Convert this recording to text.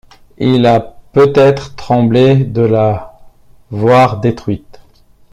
Il a peut-être tremblé de la voir détruite...